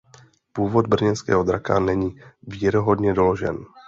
Původ Brněnského draka není věrohodně doložen.